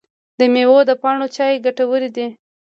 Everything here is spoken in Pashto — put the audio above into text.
د میوو د پاڼو چای ګټور دی؟